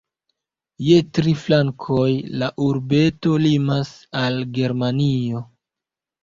Je tri flankoj la urbeto limas al Germanio.